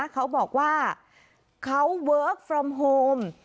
เขาบอกว่าเขาเวิร์คฟรอมโฮม